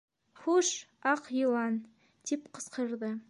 - Хуш, Аҡ йылан! - тип ҡысҡырҙы.